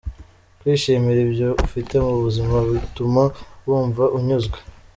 Kwishimira ibyo ufite mu buzima bituma wumva unyuzwe .